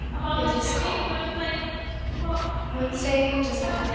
It is calm. Wednesday, December 14.